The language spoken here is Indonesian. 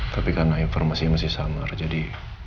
tapi karena informasinya masih samar jadi